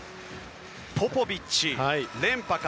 ポポビッチ、連覇か。